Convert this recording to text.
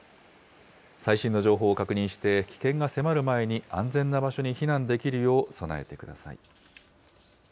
最新の情報を確認して、危険が迫る前に安全な場所に避難できるよう、備えてください。